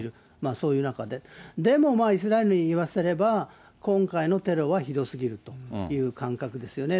そういう中で、でもイスラエルにいわせれば、今回のテロはひどすぎるという感覚ですよね。